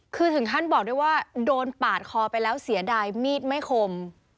คือถึงขั้นบอกด้วยว่าโดนปาดคอไปแล้วเสียดายมีดไม่คม